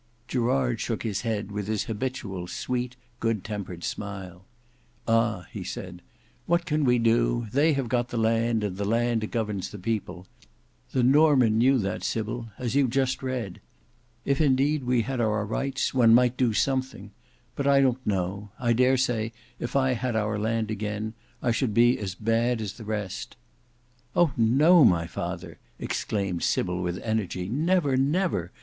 Gerard shook his head with his habitual sweet good tempered smile. "Ah!" said he, "what can we do; they have got the land, and the land governs the people. The Norman knew that, Sybil, as you just read. If indeed we had our rights, one might do something; but I don't know; I dare say if I had our land again, I should be as bad as the rest." "Oh! no, my father," exclaimed Sybil with energy, "never, never!